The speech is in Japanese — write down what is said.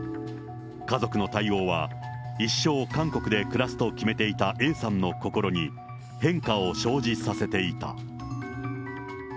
家族の対応は、一生、韓国で暮らすと決めていたＡさんの心に変化を生じさせていた。